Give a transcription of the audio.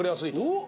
おっ！